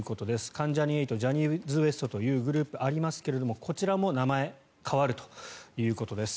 関ジャニ∞ジャニーズＷＥＳＴというグループありますがこちらも名前、変わるということです。